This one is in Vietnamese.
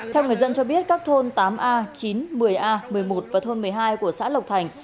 theo người dân cho biết các thôn tám a chín một mươi a một mươi một và thôn một mươi hai của xã lộc thành